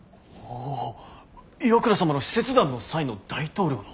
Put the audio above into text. おぉ岩倉様の使節団の際の大統領の！